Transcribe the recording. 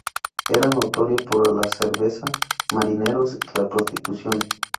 Era notorio por la cerveza, marineros y la prostitución.